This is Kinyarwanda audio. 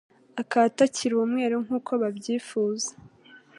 akaba atakiri umweru nk'uko babyifuza